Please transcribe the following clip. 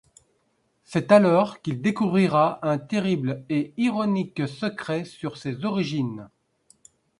C'est alors qu'il découvrira un terrible et ironique secret sur ses origines...